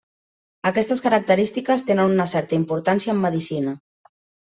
Aquestes característiques tenen una certa importància en medicina.